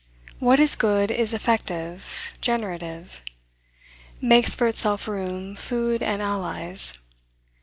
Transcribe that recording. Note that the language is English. What is good is effective, generative; makes for itself room, food, and allies.